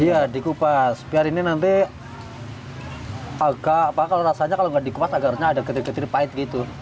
iya dikupas biar ini nanti agak rasanya kalau nggak dikupas agak harusnya ada ketir ketir pahit gitu